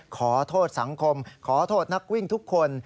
ขอโทษสังคมขอโทษนักวิ่งทุกคน